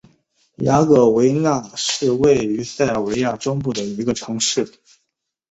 雅戈丁那是位于塞尔维亚中部的一个城市。